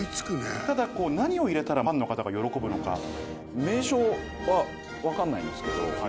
ただ、何を入れたら、ファン名称は分かんないんですけど。